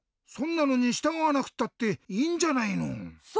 そんなのにしたがわなくたっていいんじゃないの？